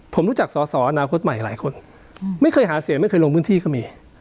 ผมรู้จักสอสออนาคตใหม่หลายคนไม่เคยหาเสียงไม่เคยลงพื้นที่ก็มี